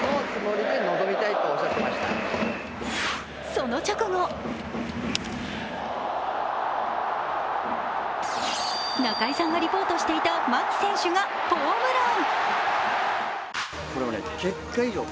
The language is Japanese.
その直後中居さんがリポートしていた牧選手がホームラン。